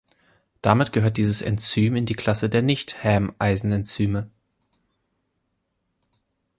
Damit gehört dieses Enzym in die Klasse der Nicht-Häm-Eisenenzyme.